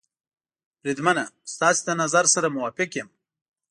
بریدمنه، ستاسې له نظر سره موافق یم.